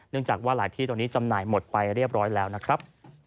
จากว่าหลายที่ตอนนี้จำหน่ายหมดไปเรียบร้อยแล้วนะครับ